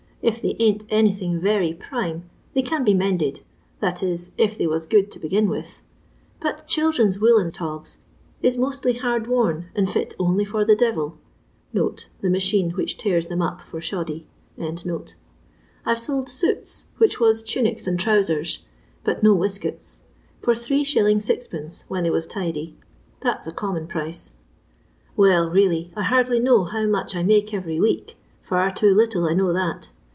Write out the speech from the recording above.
If they ain't anything very prime, they can be mended — that is, if they was good to begin with. But children's woollen togs is mostly hard worn and lit only for the ' devil ' (the machine which tears them up for shoddy). I 've sold suits, which WAS tunics and trousers, but no weskets, for 3^. 6<^ when they was tidy. That 's a conmiou pricf. " Well, really, I hardly know how much I make every week ; far too little, I know that.